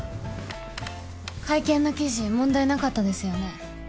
会見の記事問題なかったですよね？